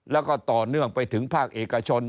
แล้วก็ต่อเนื่องไปถึงภาคเอกชน